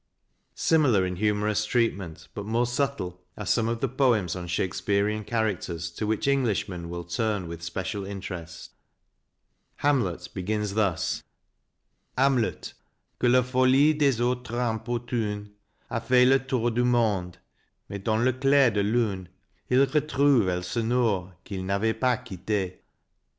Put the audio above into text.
Similar in humorous treatment, but more subtle, are some of the poems on Shakespearean characters, to which Englishmen will turn with special interest. " Hamlet" begins thus: Hamlet, que la folie des autres importune, a fait le tour du monde mais dans le clair de lune il retrouve Elseneur qu'il n'avait pas quitte.